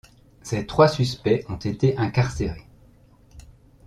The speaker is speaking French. Ces trois suspects ont été incarcérés.